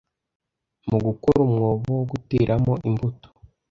mugukora umwobo wo guteramo imbuto